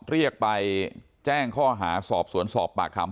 เรียกไปแจ้งข้อหาสอบสวนสอบปากคำ